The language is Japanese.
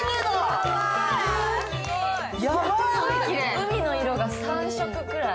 海の色が３色くらい？